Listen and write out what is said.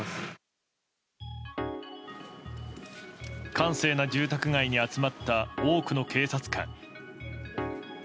閑静な住宅街に集まった多くの警察官。